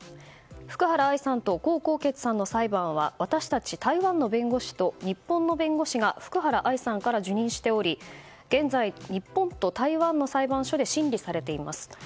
福原愛さんと江宏傑さんの裁判は私たち台湾の弁護士と日本の弁護士が福原愛さんから受認しており現在、日本と台湾の裁判所で審理されています。